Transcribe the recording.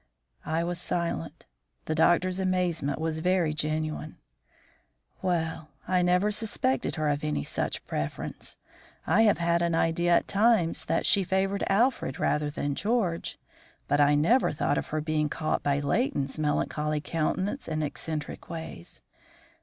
I was silent. The doctor's amazement was very genuine. "Well, I never suspected her of any such preference. I have had an idea at times that she favoured Alfred rather than George, but I never thought of her being caught by Leighton's melancholy countenance and eccentric ways.